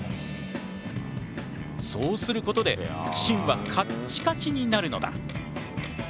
そうすることで芯はカッチカチになるのだ。